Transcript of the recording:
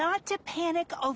ちょっと！